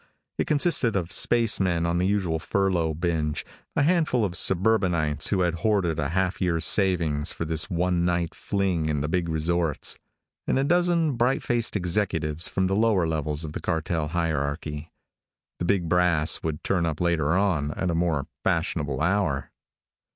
It consisted of spacemen on the usual furlough binge, a handful of suburbanites who had hoarded a half year's savings for this one night fling in the big resorts, and a dozen bright faced executives from the lower levels of the cartel hierarchy. The big brass would turn up later on, at a more fashionable hour.